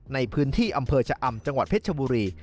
ในพื้นที่อำเภอชะอำจังหวัดเพชรชบุรี